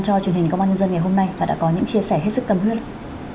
cho truyền hình công an nhân dân ngày hôm nay và đã có những chia sẻ hết sức cầm hứa lắm